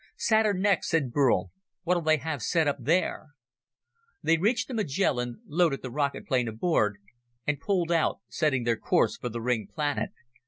"Saturn next," said Burl. "What'll they have set up there?" They reached the Magellan, loaded the rocket plane aboard, and pulled out, setting their course for the ringed planet.